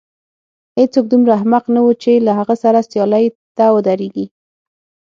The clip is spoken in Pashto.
هېڅوک دومره احمق نه و چې له هغه سره سیالۍ ته ودرېږي.